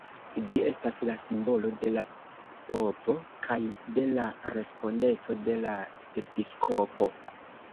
Ĝi estas la simbolo de la povo kaj de la respondeco de la episkopo.